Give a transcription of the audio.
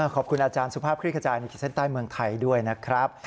ขอบคุณอาจารย์สุภาพคลิกขจายในขีดเส้นใต้เมืองไทยด้วยนะครับ